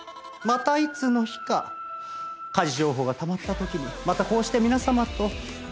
またいつの日か家事情報がたまった時にまたこうして皆様と。